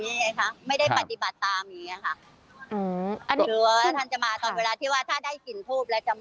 นี้ไงคะไม่ได้ปฏิบัติตามอย่างนี้ค่ะถ้าได้กลิ่นทูปแล้ว